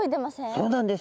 そうなんです。